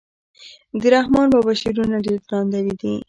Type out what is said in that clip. د رحمان بابا شعرونه ډير درانده دي.